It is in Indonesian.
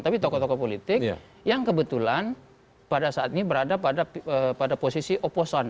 tapi tokoh tokoh politik yang kebetulan pada saat ini berada pada posisi oposan